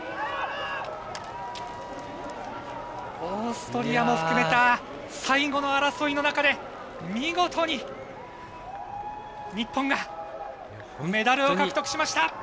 オーストリアも含めた最後の争いの中で見事に日本がメダルを獲得しました。